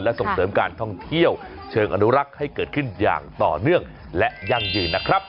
ส่งเสริมการท่องเที่ยวเชิงอนุรักษ์ให้เกิดขึ้นอย่างต่อเนื่องและยั่งยืนนะครับ